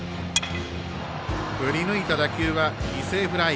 振りぬいた打球は犠牲フライ。